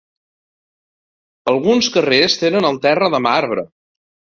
Alguns carrers tenen el terra de marbre.